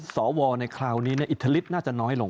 สวในคราวนี้อิทธิฤทธิน่าจะน้อยลง